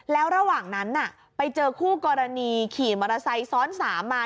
แล้วระหว่างนั้นไปเจอคู่กรณีขี่มอเตอร์ไซค์ซ้อน๓มา